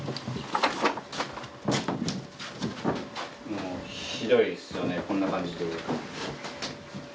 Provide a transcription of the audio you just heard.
もうひどいですよねこんな感じで。